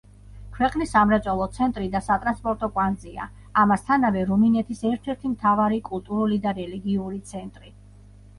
ქვეყნის სამრეწველო ცენტრი და სატრანსპორტო კვანძია; ამასთანავე, რუმინეთის ერთ-ერთი მთავარი კულტურული და რელიგიური ცენტრი.